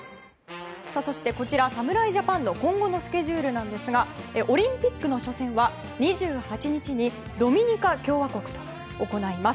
こちら侍ジャパンの今後のスケジュールですがオリンピックの初戦は２８日にドミニカ共和国と行います。